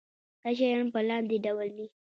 دا شیان په لاندې ډول دي.